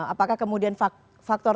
apakah kemudian faktor